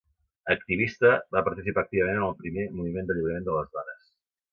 Activista, va participar activament en el primer Moviment d'Alliberament de les Dones.